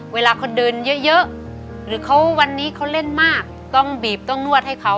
เวลาเค้าเดินเยอะหรือวันนี้เค้าเล่นมากต้องบีบต้องนวดให้เค้าอะค่ะ